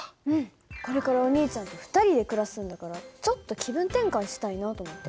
これからお兄ちゃんと２人で暮らすんだからちょっと気分転換したいなと思って。